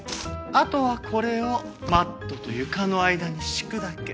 あとはこれをマットと床の間に敷くだけ。